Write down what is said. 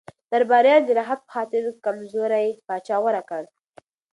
درباریانو د راحت په خاطر کمزوری پاچا غوره کړ.